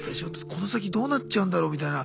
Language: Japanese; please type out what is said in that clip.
この先どうなっちゃうんだろうみたいな。